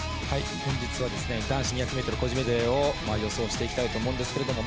本日は男子２００ｍ個人メドレーを予想していきたいと思うんですけれども。